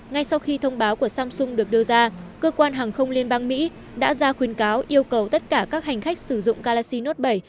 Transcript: ngay sau khi thông báo của samsung được đưa ra cơ quan hàng không liên bang mỹ đã ra khuyến cáo yêu cầu tất cả các hành khách sử dụng galaxy note bảy